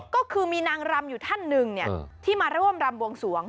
ก็คือมีนางรำอยู่ท่านหนึ่งที่มาร่วมรำบวงสวง